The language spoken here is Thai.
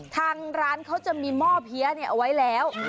ทางร้านเขาจะมีหม้อเพี้ยเอาไว้แล้ว